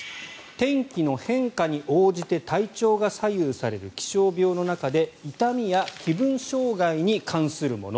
天気の変化に応じて体調が左右される気象病の中で痛みや気分障害に関するもの